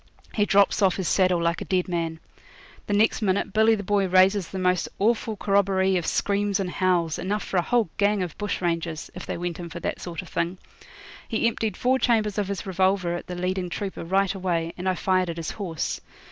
He drops off his saddle like a dead man. The next minute Billy the Boy raises the most awful corroboree of screams and howls, enough for a whole gang of bush rangers, if they went in for that sort of thing. He emptied four chambers of his revolver at the leading trooper right away, and I fired at his horse.